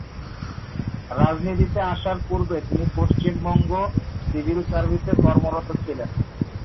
রাজনীতিতে আসার পূর্বে তিনি পশ্চিমবঙ্গ সিভিল সার্ভিসে কর্মরত ছিলেন।